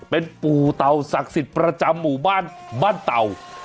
เป็นปู่เต่าศักดิ์สิทธิ์ประจำหมู่บ้านบ้านเต่า